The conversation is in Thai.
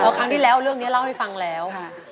ครั้งที่แล้วเรื่องนี้เล่าให้ฟังแล้ว